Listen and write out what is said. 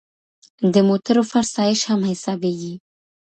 د موټرو فرسایش هم حسابیږي.